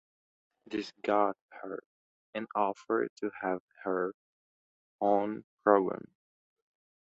This got her an offer to have her own program.